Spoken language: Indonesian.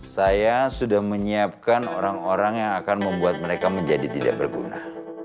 saya sudah menyiapkan orang orang yang akan membuat mereka menjadi tidak berguna